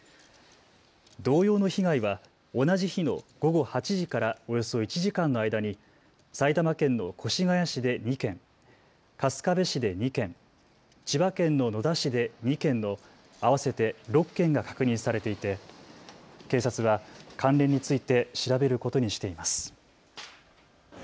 同様の被害は同じ日の午後８時からおよそ１時間の間に埼玉県の越谷市で２件、春日部市で２件、千葉県の野田市で２件の合わせて６件が確認されていて警察は関連について調べることにしています。